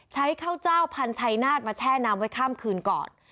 ใช้ข้าวเจ้าพันชัยนาธมาแช่น้ำไว้ข้ามคืนก่อน